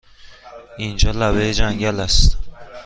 اینجا لبه جنگل است!